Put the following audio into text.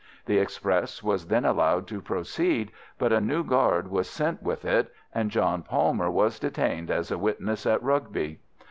The express was then allowed to proceed, but a new guard was sent with it, and John Palmer was detained as a witness at Rugby.